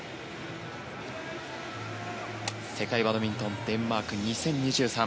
世界バドミントンデンマーク、２０２３。